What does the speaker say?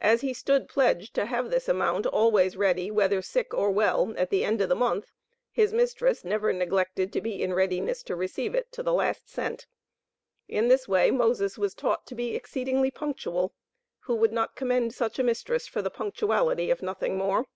As he stood pledged to have this amount always ready, "whether sick or well," at the end of the month, his mistress "never neglected to be in readiness to receive it" to the last cent. In this way Moses was taught to be exceedingly punctual. Who would not commend such a mistress for the punctuality, if nothing more?